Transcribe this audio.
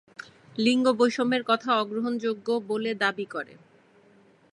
লিঙ্গ বৈষম্যের কথা অগ্রহণযোগ্য বলে দাবি করে।